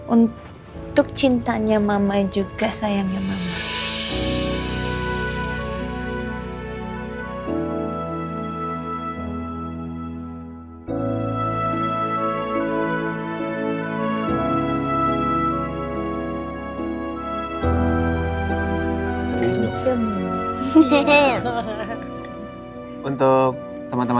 untuk cintanya mama juga sayangnya mama